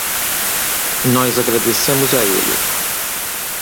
Nós agradecemos a ele